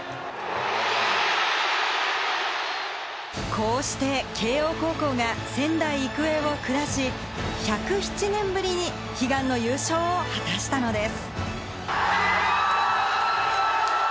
こうして慶應高校が仙台育英を下し、１０７年ぶりに悲願の優勝を果たしたのです。